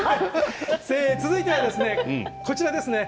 続いてはこちらです。